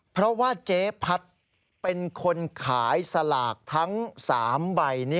เพราะว่าเจ๊พัดเป็นคนขายสลากทั้ง๓ใบ